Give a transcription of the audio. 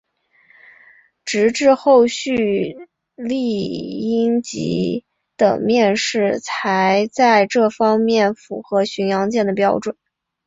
直至后续丽蝇级的面世才在这方面符合巡洋舰的标准。